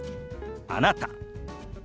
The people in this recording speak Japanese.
「あなた」。